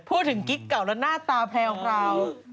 พูดถึงกิ๊กเก่าแล้วละหน้าตาแพ้กัน